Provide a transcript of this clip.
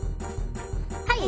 はい！